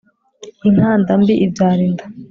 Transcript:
inkanda mbi ibyara inda